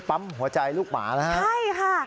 ปั๊มหัวใจลูกหมานะฮะใช่ค่ะ